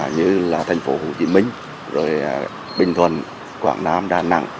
như là thành phố hồ chí minh bình thuận quảng nam đà nẵng